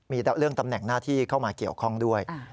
มีเรื่องตำแหน่งหน้าที่เข้ามาเกี่ยวข้องด้วย